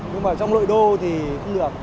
nhưng mà trong nội đô thì không được